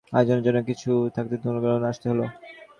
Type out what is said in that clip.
আয়োজনের জন্যে কিছু আগে থাকতেই নুরনগরে আসতে হল।